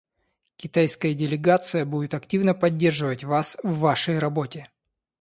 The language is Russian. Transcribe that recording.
Китайская делегация будет активно поддерживать вас в вашей работе.